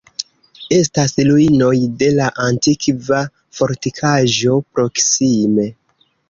Estas ruinoj de la antikva fortikaĵo proksime.